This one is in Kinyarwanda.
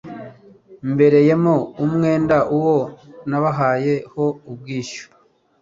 mbereyemo umwenda uwo nabahaye ho ubwishyu